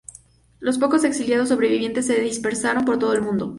Los pocos exiliados sobrevivientes se dispersaron por todo el mundo.